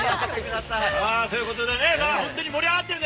ということでね、本当に盛り上がってるんで。